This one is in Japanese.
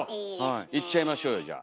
いっちゃいましょうよじゃあ。